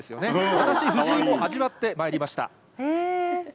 私、藤井も味わってまいりました。